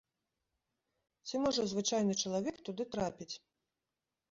Ці можа звычайны чалавек туды трапіць?